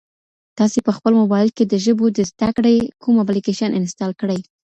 تاسي په خپل موبایل کي د ژبو د زده کړې کوم اپلیکیشن انسټال کړی؟